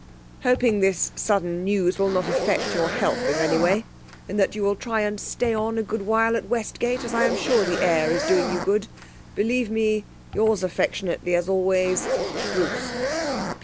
'Hoping this sudden news will not affect your health in any way, and that you will try and stay on a good while at Westgate, as I am sure the air is doing you good, believe me, yours affectionately as always, 'BRUCE.